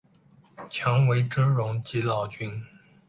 强为之容即老君。